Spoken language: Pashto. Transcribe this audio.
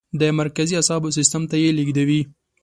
د مرکزي اعصابو سیستم ته یې لیږدوي.